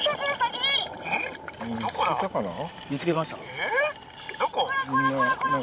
えっ？